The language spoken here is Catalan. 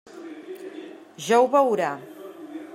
Ja ho veurà.